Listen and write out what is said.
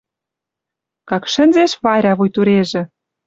Как шӹнзеш Варя вуй турежӹ